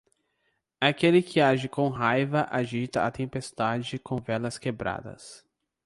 Aquele que age com raiva agita a tempestade com velas quebradas.